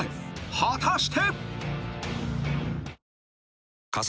果たして！］